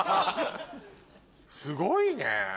すごいね！